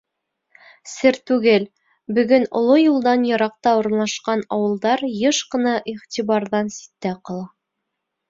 Сер түгел: бөгөн оло юлдан йыраҡта урынлашҡан ауылдар йыш ҡына иғтибарҙан ситтә ҡала.